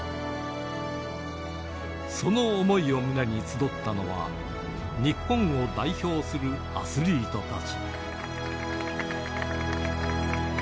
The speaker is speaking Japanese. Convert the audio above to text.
その想いを胸に集ったのは、日本を代表するアスリートたち。